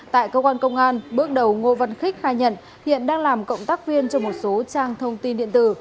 tại cơ quan công an bước đầu ngô văn khích khai nhận hiện đang làm cộng tác viên cho một số trang thông tin điện tử